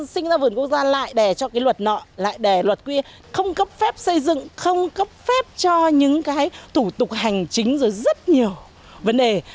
xây dựng nhà ở cũng không được phép